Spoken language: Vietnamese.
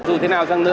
dù thế nào chăng nữa